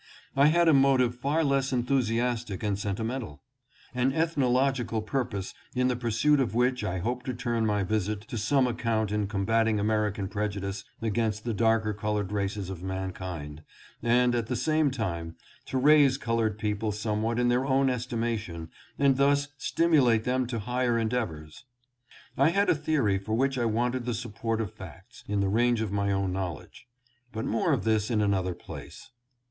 I had a motive far less enthusiastic and sentimental ; an ethnological purpose in the pursuit of which I hoped to turn my visit to some account in combating American prejudice against the darker colored races of mankind, and at the same time to raise colored people somewhat in their own estimation and thus stimulate them to higher endeavors. I had a theory for which I wanted the support of facts in the range of my own knowledge. But more of this in another place.